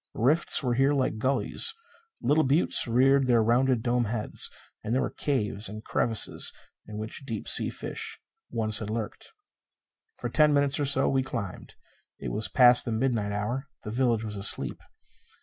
Rifts were here like gulleys; little buttes reared their rounded, dome heads. And there were caves and crevices in which deep sea fish once had lurked. For ten minutes or so we climbed. It was past the midnight hour; the village was asleep.